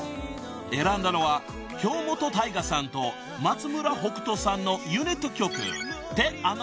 ［選んだのは京本大我さんと松村北斗さんのユニット曲］